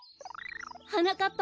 はなかっ